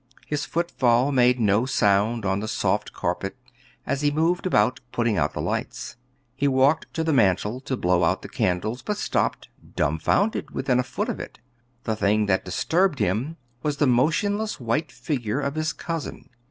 His footfall made no sound on the soft carpet as he moved about putting out the lights. He walked to the mantel to blow out the candles, but stopped, dumfounded, within a foot of it. The thing that disturbed him was the motionless white figure of his cousin.